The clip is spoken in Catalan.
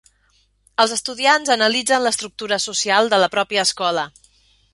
Els estudiants analitzen l'estructura social de la pròpia escola.